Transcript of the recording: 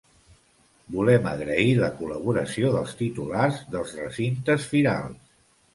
Volem agrair la col·laboració dels titulars dels recintes firals.